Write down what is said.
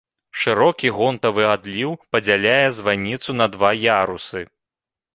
Шырокі гонтавы адліў падзяляе званіцу на два ярусы.